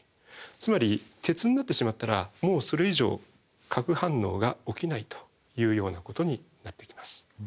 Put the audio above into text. つまり鉄になってしまったらもうそれ以上核反応が起きないというようなことになってきます。